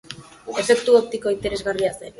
Efektu optiko interesagarria zen.